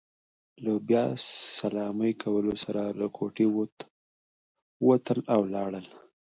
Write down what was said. له بیا سلامۍ کولو سره له کوټې ووتل، او لاړل.